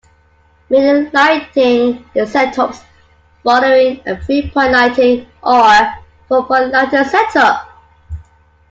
Many lighting setups follow a three-point lighting or four-point lighting setup.